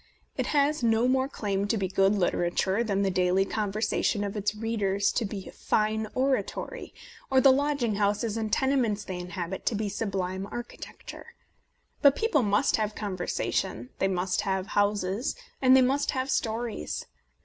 It has no more claim to be good literature than the daily conversation of its readers to A Defence of Penny Dreadfuls be fine oratory, or the lodging houses and tenements they inhabit to be sublime archi tecture. But people must have conversa tion, they must have houses, and they must have stories.